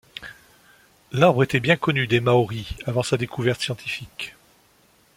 L'arbre était bien connu des Maoris avant sa découverte scientifique.